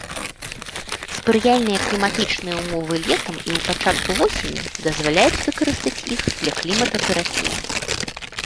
Спрыяльныя кліматычныя ўмовы летам і ў пачатку восені дазваляюць выкарыстаць іх для клімататэрапіі.